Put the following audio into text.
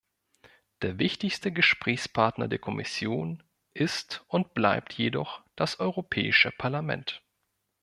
Der wichtigste Gesprächspartner der Kommission ist und bleibt jedoch das Europäische Parlament.